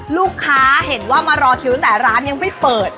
ลูกค้าเห็นว่ามารอคิวตั้งแต่ร้านยังไม่เปิด